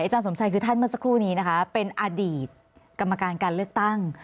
สมชัยคือท่านเมื่อสักครู่นี้นะคะเป็นอดีตกรรมการการเลือกตั้ง